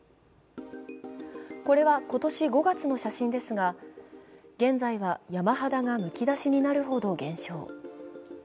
これは今年５月の写真ですが現在は山肌がむき出しになるほど減少。